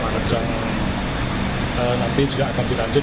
dan sepanjang nanti juga akan dilanjut dua puluh empat dua puluh lima